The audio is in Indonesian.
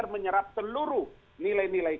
menyerap seluruh nilai nilai